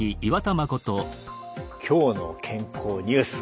「きょうの健康」ニュース。